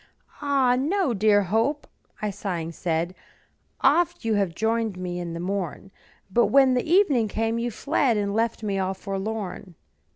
"Ah, no, dear Hope," I sighing said; "Oft have you joined me in the morn, But when the evening came, you fled And left me all forlorn.